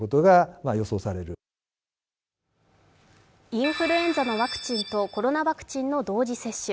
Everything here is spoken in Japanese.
インフルエンザのワクチンとコロナワクチンの同時接種。